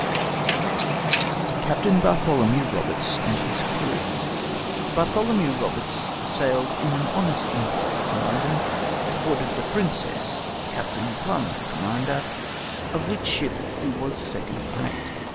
III CAPTAIN BARTHOLOMEW ROBERTS AND HIS CREW Bartholomew Roberts sailed in an honest employ from London, aboard of the Princess, Captain Plumb, commander, of which ship he was second mate.